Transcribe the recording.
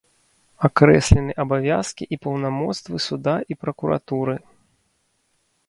Акрэслены абавязкі і паўнамоцтвы суда і пракуратуры.